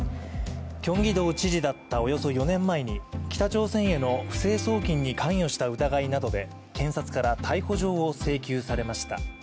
キョンギド知事だったおよそ４年前に北朝鮮への不正送金に関与した疑いなどで検察から逮捕状を請求されました。